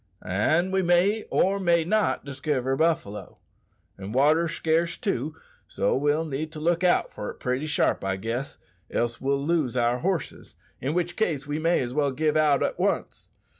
"An' we may or may not diskiver buffalo. An' water's scarce, too, so we'll need to look out for it pretty sharp, I guess, else we'll lose our horses, in which case we may as well give out at once.